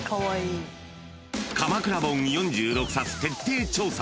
［鎌倉本４６冊徹底調査］